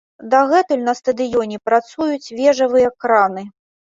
Дагэтуль на стадыёне працуюць вежавыя краны.